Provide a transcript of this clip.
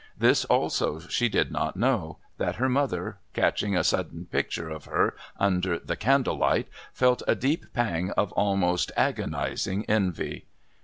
This also she did not know, that her mother, catching a sudden picture of her under the candle light, felt a deep pang of almost agonising envy.